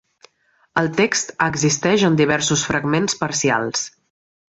El text existeix en diversos fragments parcials.